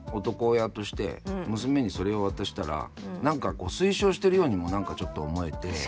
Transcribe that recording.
男親として娘にそれを渡したら何かこう推奨してるようにも何かちょっと思えて。